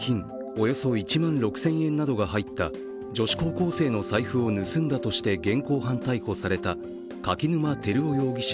およそ１万６０００円などが入った女子高校生の財布を盗んだとして現行犯逮捕された柿沼輝夫容疑者